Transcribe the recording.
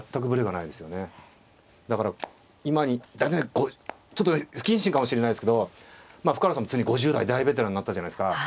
だから今ちょっと不謹慎かもしれないですけど深浦さんもついに５０代大ベテランなったじゃないですか。